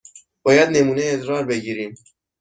باید نمونه ادرار بگیریم.